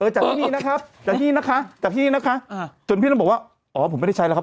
จากที่นี่นะครับจากที่นะคะจากที่นี่นะคะจนพี่ต้องบอกว่าอ๋อผมไม่ได้ใช้แล้วครับ